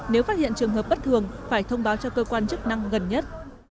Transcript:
nếu phát hiện trường hợp bất thường phải thông báo cho cơ quan chức năng gần nhất